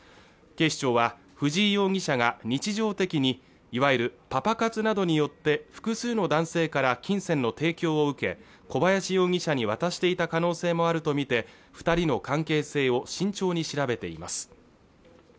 警視庁は藤井容疑者が日常的にいわゆるパパ活などによって複数の男性から金銭の提供を受け小林容疑者に渡していた可能性もあるとみて二人の関係性を慎重に調べています